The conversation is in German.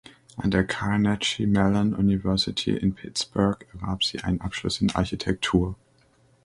An der Carnegie Mellon University in Pittsburgh erwarb sie einen Abschluss in Architektur.